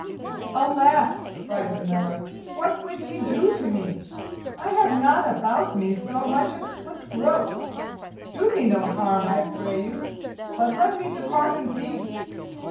"Alas!" cried the Miller, "what would ye do to me? I have not about me so much as a clipped groat. Do me no harm, I pray you, but let me depart in peace.